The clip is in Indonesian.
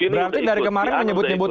berarti dari kemarin menyebut nyebut